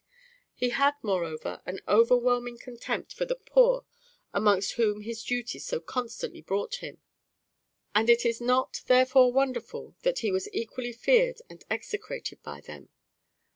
He had, moreover, an overwhelming contempt for the poor, amongst whom his duties so constantly brought him, and it is not therefore wonderful that he was equally feared and execrated by them.